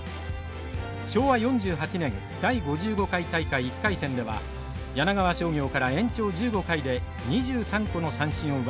昭和４８年第５５回大会１回戦では柳川商業から延長１５回で２３個の三振を奪います。